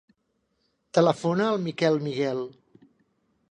Telefona al Mikel Miguel.